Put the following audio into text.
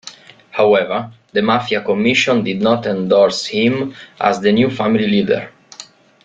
However, the Mafia Commission did not endorse him as the new family leader.